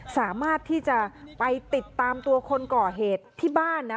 สามารถที่จะไปติดตามตัวคนก่อเหตุที่บ้านนะ